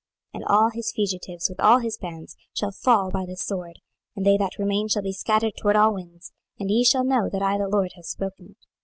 26:017:021 And all his fugitives with all his bands shall fall by the sword, and they that remain shall be scattered toward all winds: and ye shall know that I the LORD have spoken it.